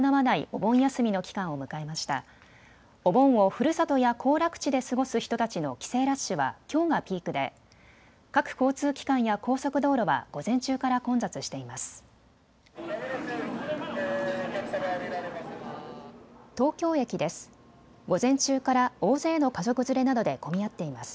お盆をふるさとや行楽地で過ごす人たちの帰省ラッシュはきょうがピークで各交通機関や高速道路は午前中から混雑しています。